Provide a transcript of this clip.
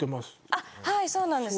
あっはいそうなんです